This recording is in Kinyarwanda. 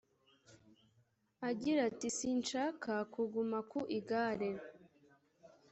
Agira ati “Sinshaka kuguma ku igare